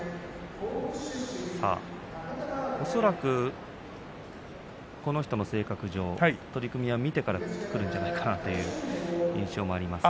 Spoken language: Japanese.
恐らく、この人の性格上取組を見てから取るんじゃないかなという印象があります。